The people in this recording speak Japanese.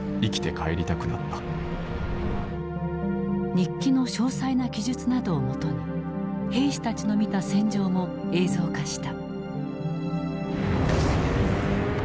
日記の詳細な記述などをもとに兵士たちの見た戦場も映像化した。